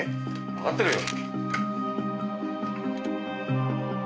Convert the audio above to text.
わかってるよ。